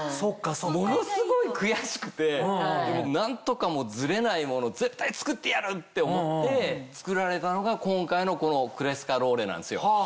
ものすごい悔しくてで何とかズレないものを絶対作ってやるって思って作られたのが今回のこのクレスカローレなんですよ。